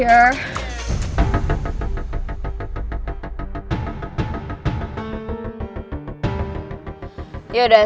yaudah sekarang lo textmail tanya gue apa sih